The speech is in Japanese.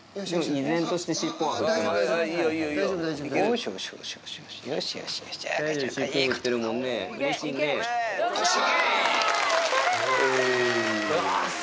依然として尻尾は振ってます。